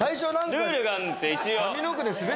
ルールがあるんです。